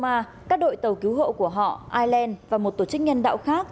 trong chiếc roma các đội tàu cứu hộ của họ ireland và một tổ chức nhân đạo khác